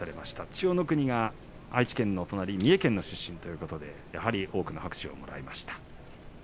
千代の国が愛知県の隣、三重県の出身ということでやはり多くの拍手をもらいました。